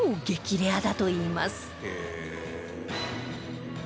「へえ」